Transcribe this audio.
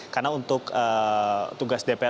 karena untuk tugas dpr